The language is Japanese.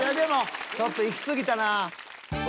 ちょっといき過ぎたな。